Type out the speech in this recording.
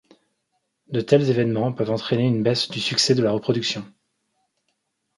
De tels événements peuvent entraîner une baisse du succès de la reproduction.